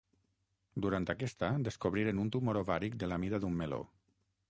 Durant aquesta descobriren un tumor ovàric de la mida d'un meló.